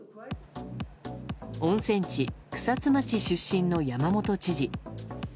温泉地・草津町出身の山本知事。